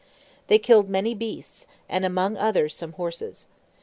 They killed many beasts, and among others some horses.